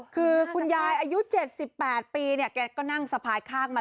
คือคุณยายอายุ๗๘ปีเนี่ยแกก็นั่งสะพายข้างมา